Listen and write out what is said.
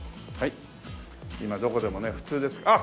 今どこでもね普通ですから。